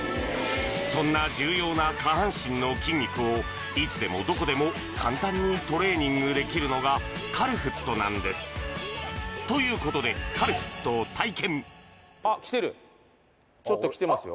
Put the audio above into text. そんな重要な下半身の筋肉をいつでもどこでも簡単にトレーニングできるのがカルフットなんですということでカルフットを体験あっきてるちょっときてますよあっ